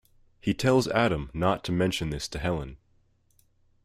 He tells Adam not to mention this to Helen.